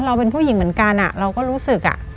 เราเป็นผู้หญิงเหมือนกันเราก็รู้สึก